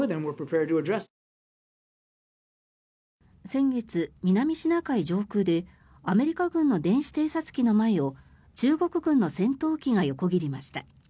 先月、南シナ海上空でアメリカ軍の電子偵察機の前を中国軍の戦闘機が横切りました。